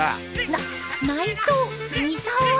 な内藤三沢。